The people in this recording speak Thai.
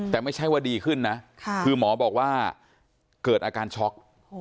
แต่ไม่ใช่ว่าดีขึ้นนะคือหมอบอกว่าเกิดอาการช็อก